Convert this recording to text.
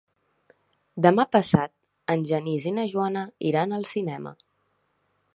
Demà passat en Genís i na Joana iran al cinema.